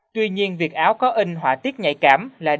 tuy nhiên việc áo có in hỏa tiết nhạy cảm là điều không có gì đáng bàn